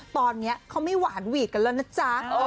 ตอนนี้เขาไม่หวานหวีดกันแล้วนะจ๊ะ